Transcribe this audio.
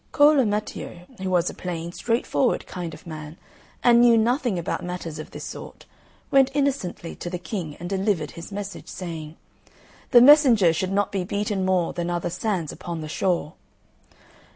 Cola Matteo, who was a plain, straightforward kind of man, and knew nothing about matters of this sort, went innocently to the King and delivered his message, saying "The messenger should not be beaten more Than are the sands upon the shore!"